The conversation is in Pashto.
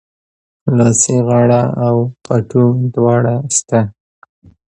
لاسي غاړه او پټو دواړه سته